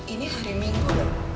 ini hari minggu loh